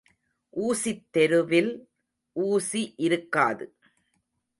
ஊசித் தெருவில் ஊசி இருக்காது.